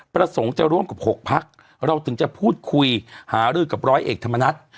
ประสงค์จะร่วมกับ๖พักเราถึงจะพูดคุยหารือกับร้อยเอกธรรมนัฐ